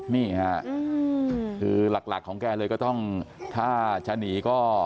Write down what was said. นี่ค่ะคือหลักของแกเลยก็ต้องถ้าจะหนีก็